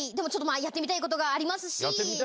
やってみたいことがありますしー。